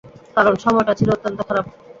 কারণ, সময়টা ছিল অত্যন্ত খারাপ।